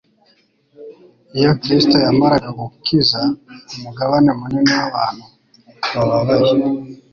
Iyo Kristo yamaraga gukiza umugabane munini w'abantu bababaye,